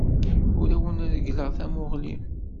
Ur awen-reggleɣ tamuɣli.